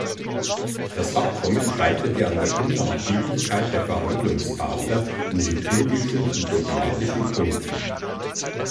Das Abkommen scheiterte an der Unnachgiebigkeit der Verhandlungspartner in liturgischen und dogmatischen Punkten.